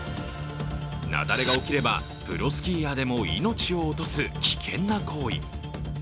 雪崩が起きればプロスキーヤーでも命を落とす危険な行為。